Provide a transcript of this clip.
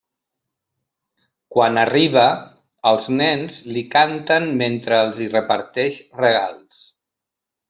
Quan arriba, els nens li canten mentre els hi reparteix regals.